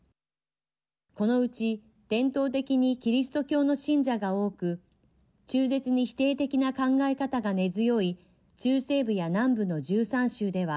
このうち伝統的にキリスト教の信者が多く中絶に否定的な考え方が根強い中西部や南部の１３州では